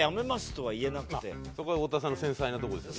そこが太田さんの繊細なとこですよね。